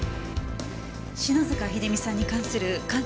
篠塚秀実さんに関する鑑定結果です。